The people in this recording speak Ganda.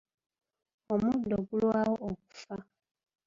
Omuddo gulwawo okufa.